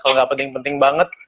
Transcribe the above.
kalau gak penting penting banget